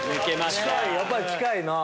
やっぱり近いな。